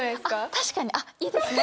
確かにあっいいですね